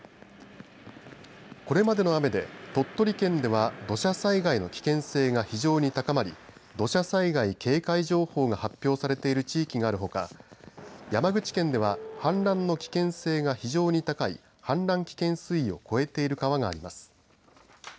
これまでの雨で鳥取県では土砂災害の危険性が非常に高まり土砂災害警戒情報が発表されている地域があるほか山口県では氾濫の危険性が非常に高い氾濫危険水位を超えている川があります。